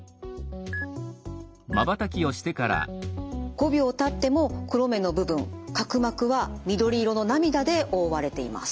５秒たっても黒目の部分角膜は緑色の涙で覆われています。